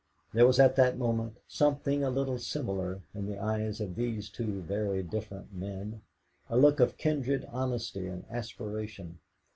There was at that moment something a little similar in the eyes of these two very different men, a look of kindred honesty and aspiration.